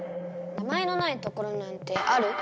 名前のないところなんてある？